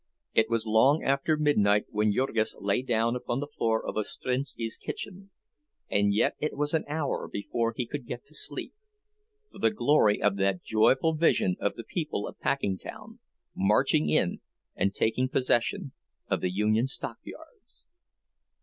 It was long after midnight when Jurgis lay down upon the floor of Ostrinski's kitchen; and yet it was an hour before he could get to sleep, for the glory of that joyful vision of the people of Packingtown marching in and taking possession of the Union Stockyards!